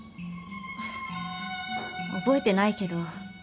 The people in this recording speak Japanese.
覚えてないけど。